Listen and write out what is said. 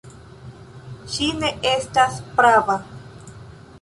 Ŝi ne estas prava.